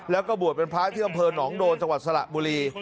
แล้วก็บวชเป็นพระที่อำเภอหนองโดนจังหวัดสระบุรี